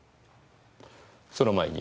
その前に。